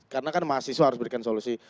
karena kan mahasiswa harus diberikan solusi